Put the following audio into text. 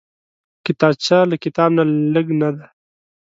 کتابچه له کتاب نه لږ نه ده